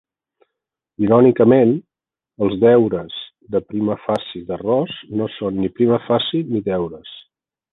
Irònicament, els deures de prima facie de Ross no són ni prima facie ni deures.